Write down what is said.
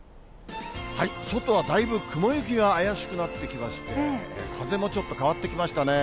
外はだいぶ雲行きが怪しくなってきまして、風もちょっと変わってきましたね。